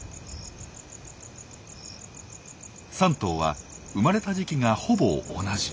３頭は生まれた時期がほぼ同じ。